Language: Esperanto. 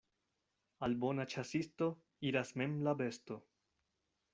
Al bona ĉasisto iras mem la besto.